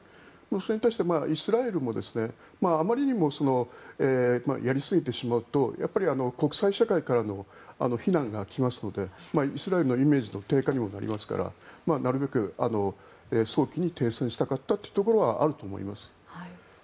それに対して、イスラエルもあまりにもやりすぎてしまうとやっぱり国際社会からの非難が来ますのでイスラエルのイメージの低下にもなりますからなるべく早期に停戦したかったというところはあると思います。